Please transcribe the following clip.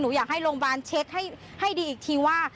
อยากให้โรงพยาบาลเช็คให้ดีอีกทีว่า